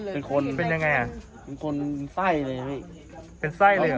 เป็นคนเป็นยังไงอ่ะเป็นคนไส้เลยพี่เป็นไส้เลยเหรอ